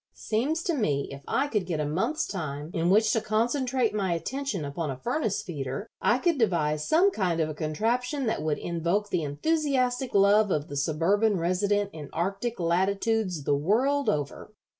Seems to me if I could get a month's time in which to concentrate my attention upon a furnace feeder, I could devise some kind of a contraption that would invoke the enthusiastic love of the suburban resident in Arctic latitudes the world over."